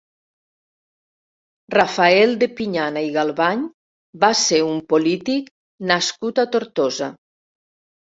Rafael de Pinyana i Galvany va ser un polític nascut a Tortosa.